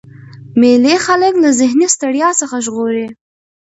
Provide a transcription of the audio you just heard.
مېلې خلک له ذهني ستړیا څخه ژغوري.